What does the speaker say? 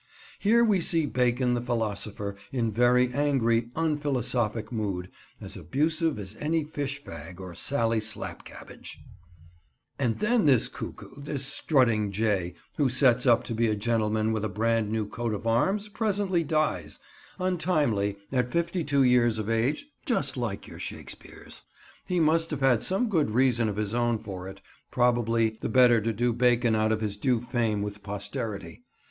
Here we see Bacon the philosopher, in very angry, unphilosophic mood, as abusive as any fish fag or Sally Slapcabbage. [Picture: Shakespeare's Monument] And then this cuckoo, this strutting jay, who sets up to be a gentleman with a brand new coat of arms presently dies, untimely, at fifty two years of age, just like your Shakespeares! He must have had some good reason of his own for it; probably the better to do Bacon out of his due fame with posterity.